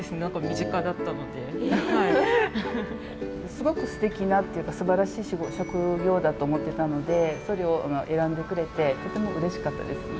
すごくすてきなっていうかすばらしい職業だと思ってたのでそれを選んでくれてとてもうれしかったですね。